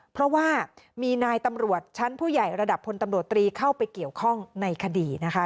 เพราะว่ามีนายตำรวจชั้นผู้ใหญ่ระดับพลตำรวจตรีเข้าไปเกี่ยวข้องในคดีนะคะ